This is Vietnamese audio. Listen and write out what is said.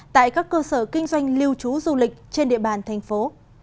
tại các cơ sở kinh doanh lưu trú du lịch trên địa bàn thành phố